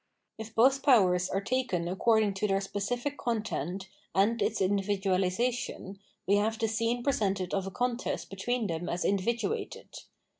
If both powers are taken according to their specific content and its individualisation, we have the scene presented of a contest between them as individuated.